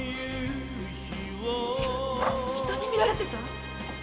〔人に見られてた？〕